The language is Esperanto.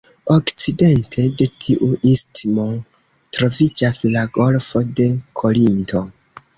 Okcidente de tiu istmo troviĝas la Golfo de Korinto.